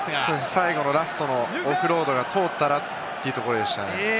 最後のラストのオフロードが通ったらというところでしたね。